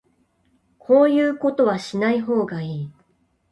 こういうことはしない方がいい